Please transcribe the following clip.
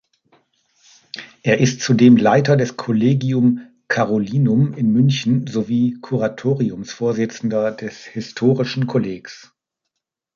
Er ist zudem Leiter des Collegium Carolinum in München sowie Kuratoriumsvorsitzender des Historischen Kollegs.